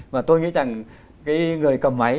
và tôi nghĩ rằng cái người cầm máy